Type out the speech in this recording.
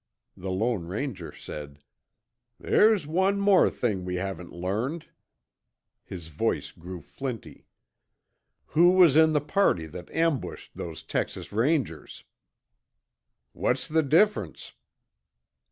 The Lone Ranger said, "There's one more thing we haven't learned." His voice grew flinty. "Who was in the party that ambushed those Texas Rangers?" "What's the difference?"